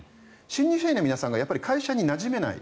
新入社員の皆さんが会社になじめない